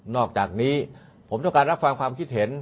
อกจากนี้ผมต้องการรับฟังความคิดเห็น